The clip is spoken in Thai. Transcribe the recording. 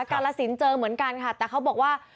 กาลสินเจอเหมือนกันค่ะแต่เขาบอกว่า